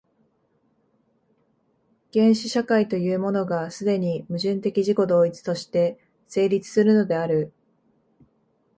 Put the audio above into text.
原始社会というものが、既に矛盾的自己同一として成立するのである。